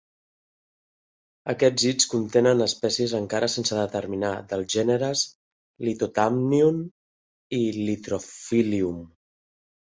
Aquests llits contenen espècies encara sense determinar dels gèneres "Lithothamnion" i "Lithophyllum".